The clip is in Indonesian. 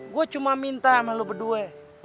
gue cuma minta sama lu berdua